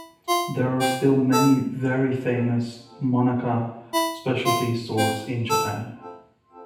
There are still many very famous monaka specialty stores in Japan.